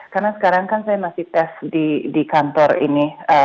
karena sekarang kan saya masih tes di kantor ini